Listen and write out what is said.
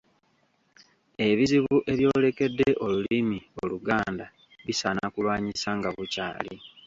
Ebizibu ebyolekedde Olulimi Oluganda bisaana kulwanyisa nga bukyali.